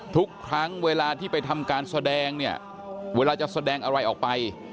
ทุกครั้งเวลาที่ไปทำการแสดงเนี่ยเวลาจะแสดงอะไรออกไป